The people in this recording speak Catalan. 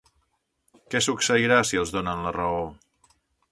Què succeirà, si els donen la raó?